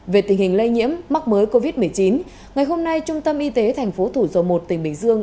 về tình hình lây nhiễm mắc mới covid một mươi chín ngày hôm nay trung tâm y tế tp hcm tỉnh bình dương